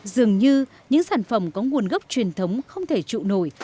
dường như những sản phẩm có nguồn gốc truyền thống không thể trụ nổi